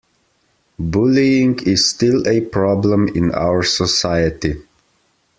Bullying is still a problem in our society.